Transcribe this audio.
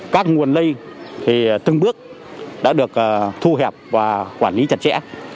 các nguồn lây từng bước đã được thu hẹp và quản lý chặt chẽ